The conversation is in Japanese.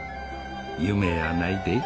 夢やないで。